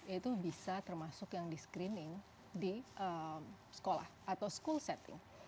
itu bisa termasuk yang di screening di sekolah atau school setting